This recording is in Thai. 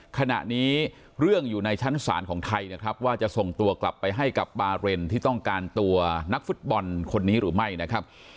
ขณะนี้เรื่องอยู่ในชั้นศาลของไทยนะครับว่าจะส่งตัวกลับไปให้กับบาเรนที่ต้องการตัวนักฟุตบอลคนนี้หรือไม่นะครับ